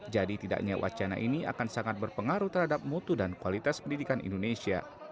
jadi tidaknya wacana ini akan sangat berpengaruh terhadap mutu dan kualitas pendidikan indonesia